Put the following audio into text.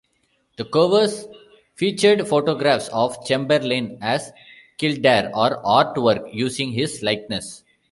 The covers featured photographs of Chamberlain as Kildare, or artwork using his likeness.